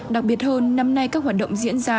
đặc biệt hơn năm nay các hoạt động diễn ra